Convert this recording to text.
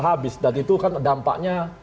habis dan itu kan dampaknya